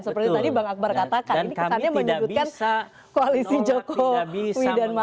seperti tadi bang akbar katakan ini kesannya menyudutkan koalisi joko widan maru